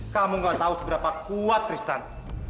kamu gak tahu seberapa kuat tristan